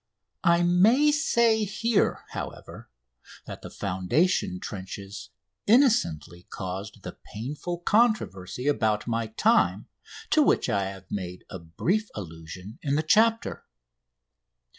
I may say here, however, that the foundation trenches innocently caused the painful controversy about my time, to which I have made a brief allusion in the chapter.